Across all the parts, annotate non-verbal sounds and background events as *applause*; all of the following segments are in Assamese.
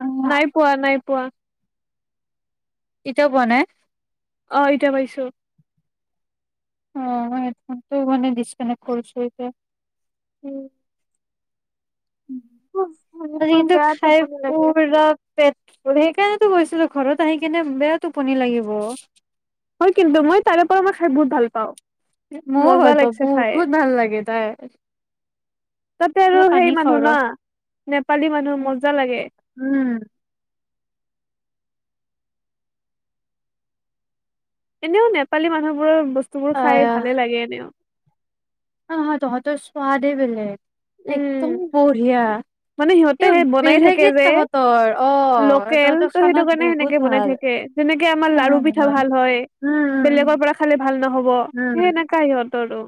উম নাই পোৱা নাই পোৱা। এতিয়াও পোৱা নাই- আহৈত বাজিছো অ', মই মানে হেডফোনটো মানে ডিছকানেক্ট কৰিছা। উম। আজি মোৰ কিন্তু বেয়া খাই টোপনি লাগি আছে। পুৰা পেট সেইকাৰণেতো গৈছিলো ঘৰত আহি কিনে বেয়া টোপনি লাগিব। হয়, কিন্তু মই তাৰে পৰা মই খাই বহুত ভাল পাওঁ। ময়ো মজা ভাল পাব লাগিছে খাই বহুত ভাল লাগে তাৰ। তাতে আৰু সেই মানুহ খাওঁ ৰ ন নেপালী মানুহ মজা লাগে। উম। এনেও নেপালী মানুহবোৰৰ বস্তুবোৰ খাই আহ ভালে লাগে এনেও। অ', নহয় তহঁতৰ সোৱাদে বেলেগ উম একদম বঢ়িয়া। মানে সিহঁতে এ কিবা সেই বনাই থাকে যে বেলেগত তহঁতৰ অ' লোকেল ত তহঁতৰ সেইটো খানাত কাৰণে সেনেকে বহুত বনাই ভাল। থাকে যেনেকে আমাৰ খানা লাৰু পিঠা বনোৱাত ভাল হয়। উম বেলেগৰ উম পৰা খালে ভাল নহ'ব উম সেই এনেকা সিহঁতৰো।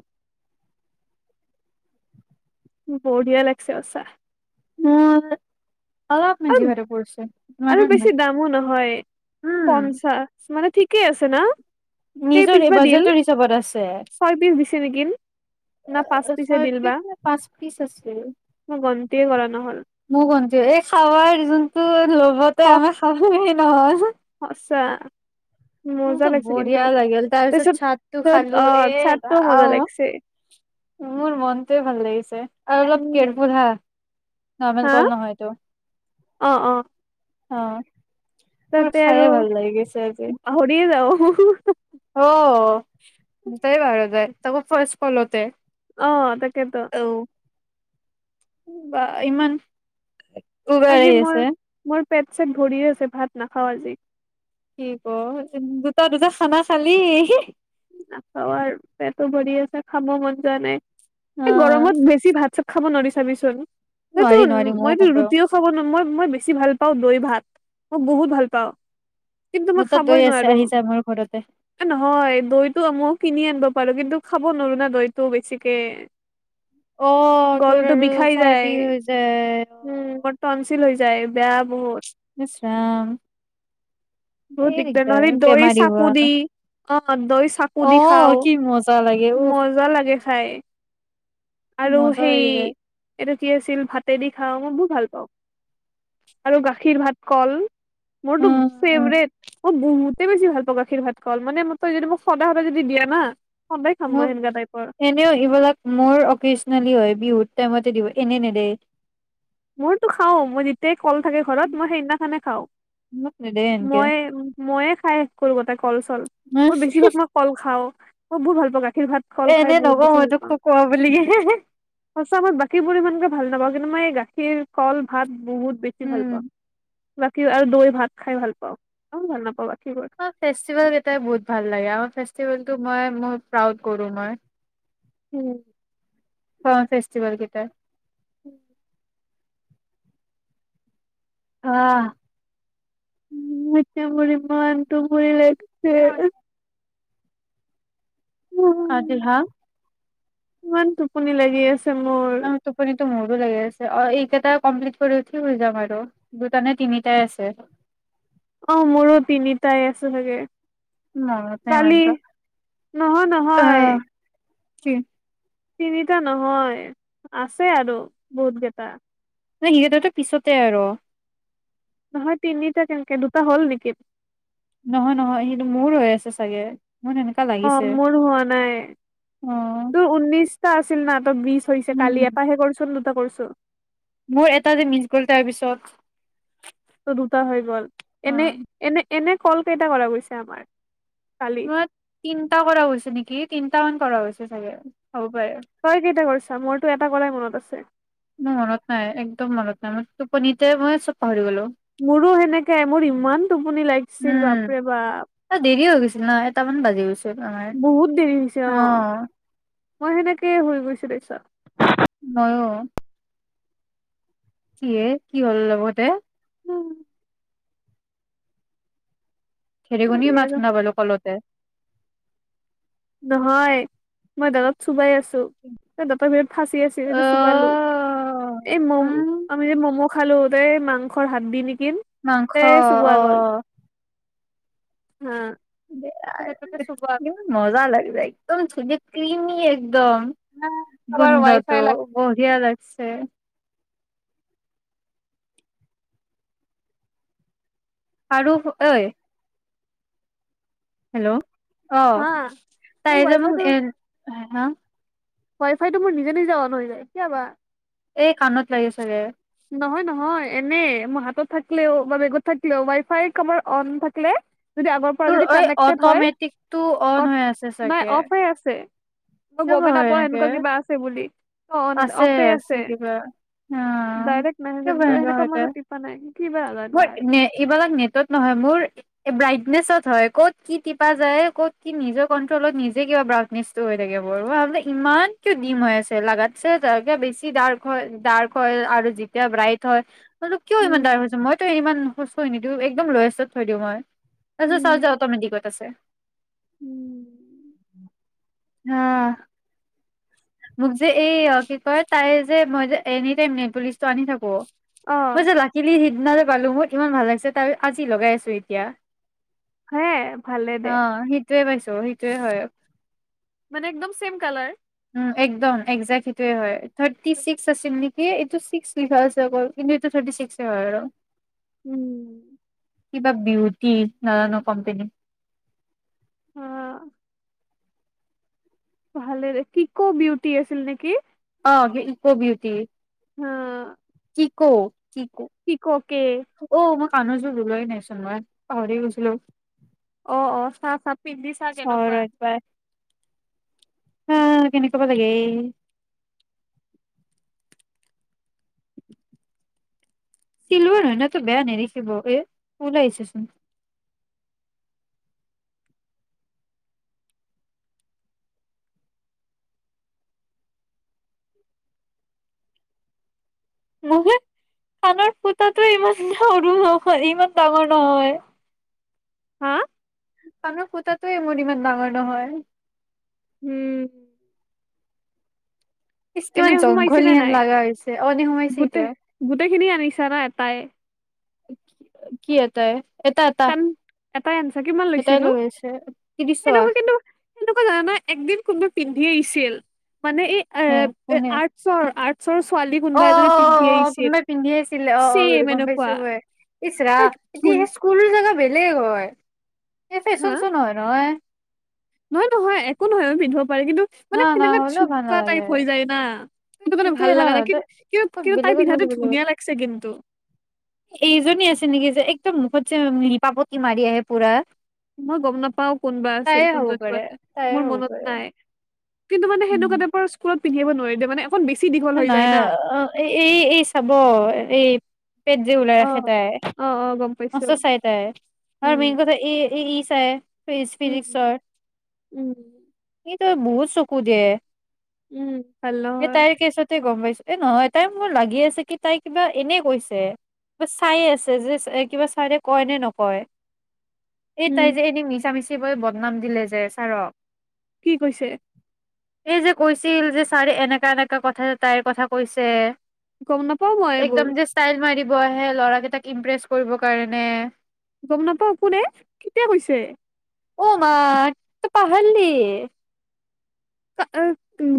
বঢ়িয়া লাগিছে সচাঁ। মোৰ অলপ মান আৰু জিভাটো পূৰিছে। আৰু বেছি দামো নহয় উম, পঞ্চাশ মানে ঠিকেই আছে না? কেই নিজৰ পিচ বা দিল বাজেটৰ হিচাপত আছে। ছয় পিচ দিছে নেকি? না পাঁচ পিচে ছয় দিল পিচ বা নে পাঁচ পিচ মই গন্তিয়ে কৰা নহ'ল। ময়ো গন্তি এই খাৱাৰ যোনটো লোভতে সখ আমি খাবলে নহয়। সঁচা। *inaudible* মজা কিন্তু লাগিছে বঢ়িয়া লাগিল তাৰ তাৰপিছত পিছত চাটটো তাৰপিছত খালো অ এ চাটটো মজা ৰাম। লাগিছে মোৰ মনটোৱে ভাল লাগিছে আৰু অলপ উম কেয়াৰফুল হা নৰ্মেল হা কল নহয় এইটো। অ', অ'। অ'। মোৰ তাতে খায়ে আৰু ভাল লাগি গৈছে পাহৰিয়ে যাওঁ। অহ গোটেই পাহৰা যায় তাকো ৰ্ফাষ্ট কলতে। অ', তাকেতো। বা ইমান উবেৰ আজি আহি আছে মোৰ মোৰ পেট চেট ভৰিয়ে আছে ভাত নাখাওঁ আজি। কি ক' দুটা দুটা খানা খালি। নাখাওঁ আৰু পেটো ভৰি আছে খাব মন যোৱা নাই। এই অ, গৰমত বেছি ভাত চাত খাব নোৱাৰি চাবিচোন। সেইটো নোৱাৰি নোৱাৰি ময়ো গম মইতো পাওঁ ৰুটিও খাব ন মই মই বেছি ভাল পাওঁ দৈ ভাত মই বহুত ভাল পাওঁ। কিন্তু মই মোৰ তাত খাবই দৈ আছে নোৱাৰো। আহি যা মোৰ ঘৰতে। এ নহয় দৈটো ময়ো কিনি আনিব পাৰো কিন্তু খাব নোৱাৰো না দৈটো বেছিকে। অ তোৰ গোলটো আৰু বিষাই যায়। চৰ্দি হৈ যায় অ উম, মোৰ টোনশ্যিল হৈ যায় বেয়া বহুত। ইচ ৰাম বহুত এই দিগদাৰ নহ'লে দৈ বেমাৰী চাকো হোৱা দি। অ', দৈ চাকো অ দি খাওঁ কি মজা লাগে উফ মজা লাগে খাই। আৰু মজা সেই লাগি যায় এইটো কি আছিল ভাতেদি খাওঁ মই বহুত ভাল পাওঁ। আৰু গাখীৰ ভাত কল। মোৰতো উম উম, ফেভৰেট মই বহুতে বেছি ভাল পাওঁ গাখীৰ ভাত কল মানে তই যদি মোক সদায় সদায় যদি দিয়া না সদায় খাম মোক মই সেনেকুৱা টাইপৰ। এনেও এইবিলাক মোৰ অকেছনেলি হয় বিহুৰ টাইমতে দিওঁ এনে নেদে। মোৰতো খাওঁ। মই যেতিয়াই কল থাকে‌ ঘৰত, মই সেইদিনাখনে খাওঁ। মোক নিদিয়ে। মই, মইয়ে খাই শেষ কৰোঁ গোটেই কল-চল। মই বেছিভাগ, মই কল খাওঁ, মই বহুত ভাল পাওঁ, গাখীৰ ভাত! কল এ, খাই এনেই বহুত নকওঁ বেছি মই ভাল তোক, পাওঁ খকোৱা বুলি কেনে। সঁচা মই, বাকীবোৰ ইমানকে ভাল নাপাওঁ! কিন্তু, মই এই, গাখীৰ, কল, ভাত বহুত বেছি ভাল পাওঁ! বাকী আৰু দৈ-ভাত খাই ভাল পাওঁ! আৰু ভাল নাপাওঁ বাকীবোৰ। আমাৰ ফেষ্টিভেল কেইটাই বহুত ভাল লাগে! আমাৰ ফেষ্টিভেলটো, মই মোৰ, প্ৰাউড কৰোঁ মই! উম। *unintelligible* ফেষ্টিভেল কেইটা। *inaudible* *unintelligible* উম, এতিয়া মোৰ, ইমান টোপনি লাগিছে। *unintelligible* ইমান টোপনি লাগি আছে, মো টোপনিটো মোৰো লাগি আছে। অ'! এইকেইটা কমপ্লিট কৰি উঠি, শুই যাম আৰু। দুটা নে তিনিটাই আছে। অ'! মোৰো তিনিটাই আছে চাগে। মনত নাই ইমান কালি, এটা নহয়-নহয়। আহ কি? তিনিটা নহয়, আছে আৰু বহুত কেইটা। ন' সিহঁতেতো পিছতে আৰু। নহয়, তিনিটা কেনেকে, দুটা হ'ল নেকি? নহয়-নহয়, সেইটো মোৰ হৈ আছে চাগে। মই *unintelligible* অ'! মোৰ হোৱা নাই। অ তোৰ উনৈশ টা আছিল না? ত' বিশ হৈছে, কালি উম এটাহে কৰিছোঁন, দুটা কৰিছোঁ। মোৰ এটা যে, মিচ গ'ল তাৰপিছত। ত' দুটা হৈ গ'ল। অ এনে, এনে-এনে ক'ল কেইটা কৰা গৈছে আমাৰ? কা তোমাৰ তিনটা কৰা হৈছে নেকি! তিনটা মান কৰা হৈছে চাগে, হ'ব পাৰে। তই কেইটা কৰিছা? মোৰতো এটা কৰাই মনত আছে। মোৰ মনত নাই, একদম মনত নাই। মই টোপনিতে, মই চব পাহৰি গ'লোঁ। মোৰো সেনেকাই, মোৰ ইমান টোপনি লাগিছিল। বাপৰে বাপ! অ'! দেৰি হৈ গৈছিল ন'! এটামান বাজি গৈছিল। আমাৰ বহুত দেৰি হৈছে, অ'! মই সেনেকেই শুই গৈছোঁ তাৰপিছত। মইয়ো। ইয়ে, কি হ'ল লগতে? সেৰি আজি *unintelligible* মাত আৰু শুনা পালোঁ, ক'লতে। নহয়, মই দৰব চোবাই আছোঁ। ত' দাঁতৰ ভিতৰত ফাঁচি আছিল, অ সেইটো চুবালো। এই ম' উম আমি যে ম'ম' খালোঁ, তাৰে মাংসৰ, হাৰ্ডি নেকি। মাংস *unintelligible* চুবোৱা অ গ'ল। হা! সেইটোকে চুবালো। কিমান মজা লাগি যায়! একদম ধুনীয়া ক্ৰিমি একদম! কাৰোবাৰ ৱাই ফাই গোন্ধটো। লাগে বঢ়িয়া লাগিছে! আৰু ঐ। হেল্ল' হা অ', তাই মোৰ যে ৱাই মোক ফাইটো এ হা ৱাই ফাইটো মোৰ নিজে নিজে অন হৈ যায়, কিয় বা? এই কাণত লাগে চাগে। নহয় নহয়, এনে মই হাতত থাকিলেও বা বেগত থাকিলেও ৱাইফাই কাৰোবাৰ অন থাকিলে যদি আগৰ পৰা তোৰ যদি এই কানেক্টটেত হয়, অটমেটিকটো অন হৈ আছে নাই চাগে অফে আছে। মই কিয় বা গমেই হয় নাপাওঁ, সেনেকুৱা এনেকে কিবা আছে বুলি। অ', আছে অফেই আছে। কিবা অ ডাইৰেক্ট নাহে কিয় বা জানোঁ, এনেকুৱা এনেকে হয় মই টিপা নাই। কিবা নাজানোঁ আৰু। এইবাৰ নেটত নহয় মোৰ। ব্ৰাইটনেচত হয়, ক'ত কি টিপা যায়। ক'ত কি নিজৰ কন্ট্ৰলত নিজে কিবা ব নিষ্ট হৈ থাকে বহুত। ইমান কিয় ডিম হৈ আছে, লাগাতছে ত বেছি ডাৰ্ক। হয়, ডাৰ্ক হয় আৰু যেতিয়া ব্ৰাইট হয়। মোবাইলতো কিয় ইমান উম ডাৰ্ক হৈছে, মইতো ইমান কষ্ট নিদিওঁ। একদম লয়েষ্টত থৈ দিওঁ মই। তাৰপিছত চাওঁ যাওঁ অট'মেটিকত আছে। উম্। হা্। মোক যে এই কি কয়, তাই যে মই যে এনি টাইম নেলপলিচটো আনি থাকোঁ। অ মই যে লাকিলি সিদিনা যে পালোঁ, মোৰ ইমান ভাল লাগিছে। তাৰপিছত আজি লগাই আছোঁ এতিয়া। হে ভালে দে অ', সেইটোৱে পাইছোঁ, সেইটোৱে হয়। মানে একদম চেম কালাৰ। উম্, একদম একজেক্ট সেইটোৱেই হয়, থাৰ্টি ছিক্স আছিল নেকি? এইটো ছিক্স লিখা আছে অকল! কিন্তু এইটো থাৰ্টি ছিক্সে হয় আৰু। উম্। কিবা বিউটি, নাজানোঁ কোম্পানী অ', ভালে দে, ইক'বিউটি আছিল নেকি? অ', ইক'বিউটি। অ'। ক' ইক' কি'কৌ, কে এ। অ', মই কানৰযোৰ উলোৱাই নাইচোন, মই পাহৰিয়ে গৈছিলোঁ। অ', অ', চাহ পাত। হয় এইবাৰ, অ'কেনেকুৱা বা লাগে। চিলভাৰ হয় না তো বেয়া নেদেখিব। এ ওলাইছেচোন। *unintelligible* মোৰযে কানৰ ফুতাটো ইমান সৰু নহয়, ইমান ডাঙৰ নহয়। হা্। কানৰ ফুতাটোয়ে মোৰ ইমান ডাঙৰ নহয়। উম্। ইচ এনে কিমান সোমাইছে নে জংঘলিহেন নাই লগা হৈছে, অ', দে সোমাইছে গোটেই এতিয়া। গোটেইখিনি আনিছা না এটাই কি এটায় এটা এটা, কাণ এটাই আনিছা কিমান লৈছে এটাই নো লৈ আহিছে কি দিছে। তেনেকুৱা জানানা, একদিন কোনোবাই পিন্ধি আহিছিল। মানে এই উম্, এ কোনে? আৰ্টচৰ আৰ্টচৰ ছোৱালী কোনোবা এজনী পিন্ধি অ'অ'অ', আহিছিল। কোনোবাই পিন্ধি আহিছিলে, অ', ছেম অ'গম এনেকুৱা পাইছোঁ মই। ইচ্ ৰাম, তাই এতিয়া ধুন সেই স্কুলৰ জেগা বেলেগ হয়। হা ফেশ্বন শ্ব নহয় নহয়। নহয় নহয় একো নহয় মই পিন্ধিব পাৰি কিন্তু, না মানে না সেনেকা হ'লেও ভাল জুমকা নালাগে টাইপ হৈ যায় না। সেইটো কাৰণে সেইটোয়ে ভাল ন লগা নাই, কিন কিন্তু কিন্তু, তাই বেলেগত হ'লে পিন্ধাটো বেলেগত ধুনীয়া লাগিছে কিন্তু। এইজনী আছিল নেকি যে একদম মুখত যে মিলপাপতি মাৰি আহে পুৰা। মই গম নাপাওঁ কোনোবা আছিল তায়ে হ'ব কোনজনী বা পাৰে আছিল তায়ে মোৰ হ'ব মনত পাৰে নাই। কিন্তু মানে সেনেকোৱা টাইপৰ স্কুলত পিন্ধি আহিব নোৱাৰি দে মানে অকণ বেছি দিঘ- নহয় অ এই এই চাব এই- পেট যে ওলাই অ ৰাখে তাই। অ অ গম পাইছো মস্ত চাই তাই, আৰু উম। মেইন কথা এ ই চাই। ফিছ উম। ফিজিকছৰ উম সিঁতো বহুত চকু দিয়ে। উম' ভাল নহয়। পিছতে গম পাইছো এ নহয় তাই মোৰ লাগি আছে কি তাই কিবা এনেই কৈছে। কিবা চাইয়ে আছে যে কিবা ছাৰে কয় নে নকয়। এই উম তাই যে এনেই মিছা মিচি কৈ বদনাম দিলে যে ছাৰক। কি কৈছে? এই যে কৈছিল যে ছাৰে এনেকা এনেকা কথা যে তাইৰ কথা কৈছে। গম নাপাও মই এইবোৰ একদম যে ষ্টাইল মাৰিব আহে ল'ৰা গিটাক ইমপ্ৰেচ কৰিবৰ কাৰণে। গম নাপাওঁ কোনে কেতিয়া কৈছে? অ মা‌ ত‌ই পাহৰিলিয়ে। কা- আহ,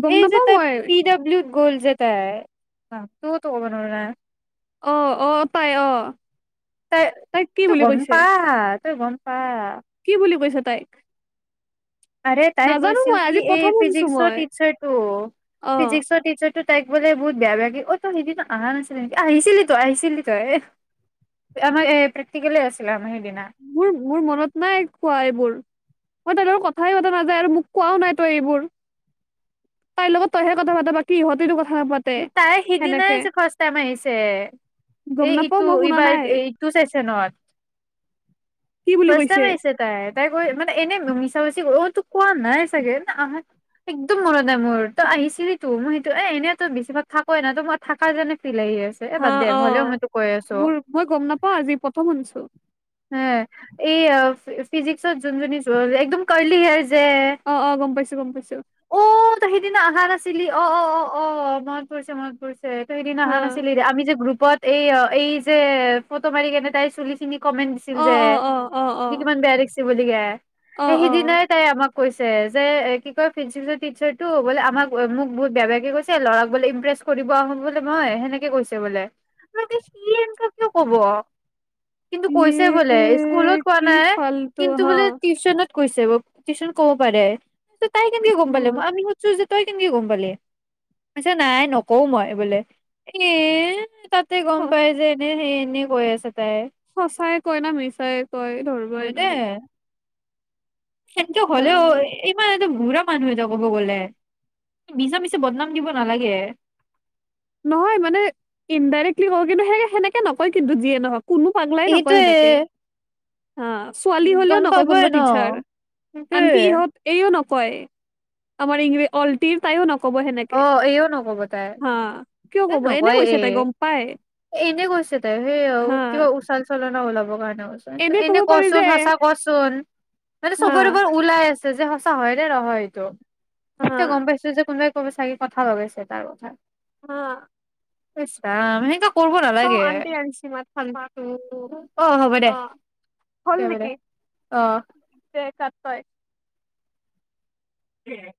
গম এই যে নাপাও তাই মই পি ডব্লিউত গ'ল যে তায় তো ত বন না- অ অ তাই অ তই তাইক কি তই বুলি গম কৈছে পা তই গম- পা। কি বুলি কৈছে তাইক? আৰে তাই নাজানো কৈছিল মই কি? আজি এই প্ৰথম শুনিছো ফিজিক্সৰ মই টিচাৰ টো অ ফিজিক্সৰ টিচাৰটোত- তাইক বোলে বহুত বেয়া বেয়া কে অ তয় সেইদনা অহা নাছিলি নেকি আহিছিলি তয় আহিছিলি তয় এ- আমাৰ এই প্ৰেক্টিকেলে আছিলে আমাৰ সেইদিনা। মোৰ মোৰ মনত নাই কোৱা এইবোৰ। মই তাইৰ লগত কথাই পতা নাযায় আৰু মোক কোৱাও নাই তই এইবোৰ। তাই লগত তইহে কথা পাত বাকি ইহঁতিতো কথা নাপাত- তাই সিদিনাই যে ফাষ্ট টাইম আহিছে, গম এই নাপাও ইটো মই শুনা ইবাৰ নাই এই- টো চেচনত কি বুলি ফাষ্ট কৈছে টাইম আহিছে। তাই, তাই গৈ মানে এনেই মিছা মিছি অতো কোৱা নাই চাগে না আহা- একদম মনত নাই মোৰ তই আহিছিলি তো মই সেইটো এ এনেই- তয় বেছিভাগ থাকই নাই তো মই থাকা যেনে ফিল আহি আছে। এ হা বাদ দে অ হলেও মই তো কৈ আছো। মোৰ মই গম নাপাওঁ আজি প্ৰথম শুনিছো। হেঁ এই ফিজিক্সত যোন জনী একদম কাৰলি হেয়াৰ যে। অঁ অঁ গম পাইছো গম পাইছো। অ' তয় সেইদিনা অহা নাছিলি। অ অ অ অ' মন পৰিছে মন পৰিছে। টোৱে তয় সেইদিনা হা অহা নাছিলে দে, আমি যে গ্ৰুপত এই এই যে ফটো মাৰি কেনে তাইৰ চুলি খিনি- কমেন্ট দিছিল অ যে, অ অ অ অ যে কিমান বেয়া লাগিছে বুলি যে, অ এ অ সিদিনাই- তাই আমাক কৈছে, যে এ কি কয় টিচাৰ টো বোলে আমাক মোক বহুত বেয়া বেয়াকে কৈছ- ছে ল'ৰাক বোলে ইমপ্ৰেছ কৰিব আহো বুলি মই সেনেকে কৈছে বোলে। ময়টো চি এম কতনো কব? কিন্তু কৈছে বোলে স্কুলত ইয়ে কোৱা কি নাই, ফাল্টু কিন্তু হা বোলে টিউচনত- কৈছে মোক সিচোন ক'ব পাৰে, তাই অ কেনেকে গম পালে মই আমি সুধছো যে তই কেনেকে গম পালি? কইছে নাই নকওঁ মই বোলে। এ তাত- তে গম স- পাই যে এনেই সেই এনেই কৈ আছে তাই। সঁচাই কয় না। মিছাই কয়। ধৰিব এ নৰি তেনেক হ'লেও তাৰমানে *unintelligible* ইমান এটা ঘুৰা মানুহ এটা কব গ'লে মিছা মিছা বদনাম দিব নালাগে। নহয় মানে ইনডাইৰেক্টলি ক কিন্তু সে সেনেকে নকয় কিন্তু, যিয়ে নহওক কোনো পাগলাই নকয় সেইটোয়ে সেনেকে। অ', ছোৱালী হ'লেও গম নকয়। পাবই কোনোবা ন। টিচাৰ সেইটোৱে। আনকি ইহঁত এইও নকয় আমাৰ ইংজ অলটিৰ তাইও নকব অ সেনেকে এইও নকব তাই হা কিয় এ', কব এনে নকয় কৈছে এ, তাই গম পাই এনে কৈছে তাই। সেই হা কিবা উচাল ল ওলাব কাৰণে কচে এনে ক'ব পাৰি যে কচোন সঁচা কচোন মানে হা চবৰেবৰ ওলাই আছে। যে সঁচা হয় নে নহয়? এইটো হা এতিয়া গম পাইছো যে কোনোবাই বাই চাগে কথা লগাইছে। তাৰ কথা অ', ইচ ৰাম *unintelligible* কৰিব চাওঁ নালাগে। আন্টি আনিছি মাত মাক ফালটো টু হ'ব দে অ হল হ'ব দে নেকি অ। দে কাট তই *unintelligible*